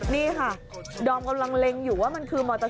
นี่ค่ะดอมกำลังเล็งอยู่ว่ามันคือมอเตอร์ไซ